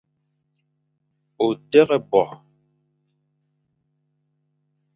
O dighé bo.